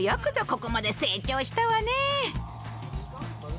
ここまで成長したわね。